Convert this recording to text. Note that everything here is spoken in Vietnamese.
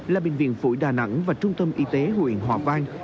là bệnh viện phổi đà nẵng và trung tâm y tế huyện hòa vang